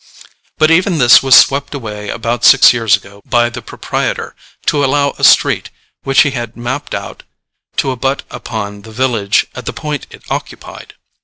But even this was swept away about six years ago by the proprietor, to allow a street which he had mapped out to abut upon the village at the point it occupied.